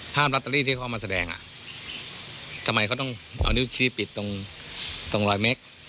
ภาพรัตตรีที่เขาเอามาแสดงอ่ะทำไมเขาต้องเอานิ้วชี้ปิดตรงตรงรอยเม็ด